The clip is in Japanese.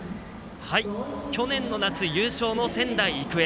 去年の夏、優勝の仙台育英。